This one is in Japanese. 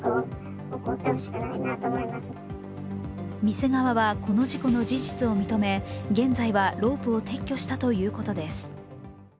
店側は、この事故の事実を認め現在はロープを撤去したということです。